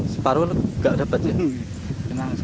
sekarang tidak dapat ya